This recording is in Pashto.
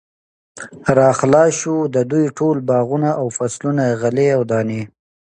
را خلاص شو، د دوی ټول باغونه او فصلونه، غلې او دانې